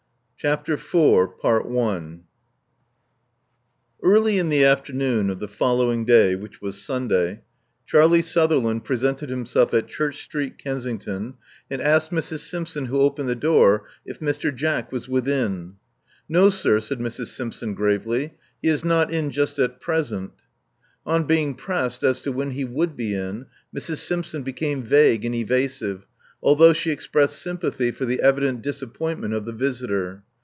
CHAPTER IV Early in the afernoon of the following day, which was Sunday, Charlie Sutherland presented himself at Church Street, Kensington, and asked Mrs. Simpson who opened the door, if Mr. Jack was within. No, sir,'* said Mrs. Simpson, gravely. He is not in just at present/* On being pressed as to when he would be in, Mrs. Simpson became vague and evasive, although she expressed sympathy for the evident disappointment of the visitor.